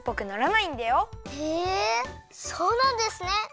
そうなんですね！